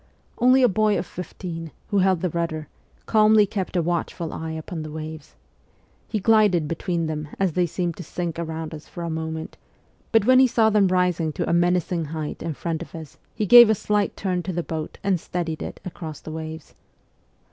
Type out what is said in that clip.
Only a boy of fifteen, who held the rudder, calmly kept a watchful eye upon the waves. He glided between them as they seemed to sink around us for a moment : but when he saw them SIBERIA 225 rising to a menacing height in front of us he gave a slight turn to the boat and steadied it across the waves.